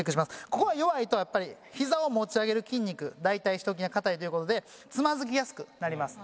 ここが弱いとやっぱりひざを持ち上げる筋肉大腿四頭筋が硬いという事でつまずきやすくなります。